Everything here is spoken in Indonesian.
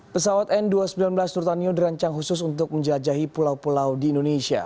pesawat n dua ratus sembilan belas nurtanio dirancang khusus untuk menjajahi pulau pulau di indonesia